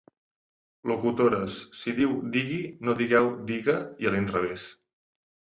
Locutores, si diu 'digui' no digueu 'diga', i a l'inrevès.